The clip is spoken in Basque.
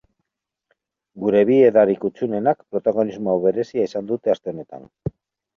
Gure bi edari kuttunenak protagonismo berezia izan dute aste honetan.